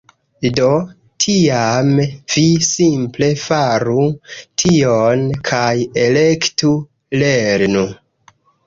Do, tiam vi simple faru tion! kaj elektu "lernu"